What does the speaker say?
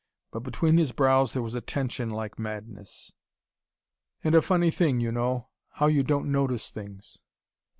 But between his brows there was a tension like madness. "And a funny thing you know how you don't notice things.